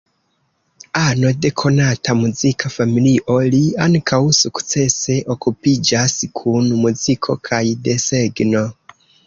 Ano de konata muzika familio, li ankaŭ sukcese okupiĝas kun muziko kaj desegno.